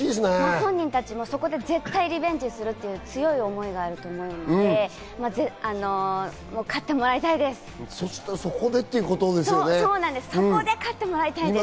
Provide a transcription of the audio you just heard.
本人たちもそこでリベンジするという強い思いがあると思うので、ぜひ勝ってもらいたいです。